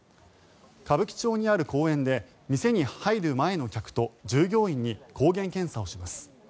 歌舞伎町にある公園で店に入る前の客と従業員に、抗原検査をします。